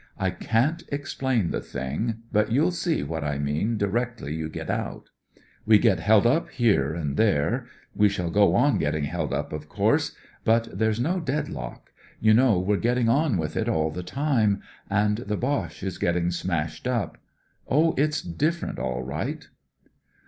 I can't explain the thing, but you'll see what I mean directly you get out. We get held up here and there ; we shall go on getting held up, of course. But there's no deadlock; you know we're getting on with it all the time. THE DIFFERENCE 197 and the Boche is getting smashed up. Oh, it's different, aU right."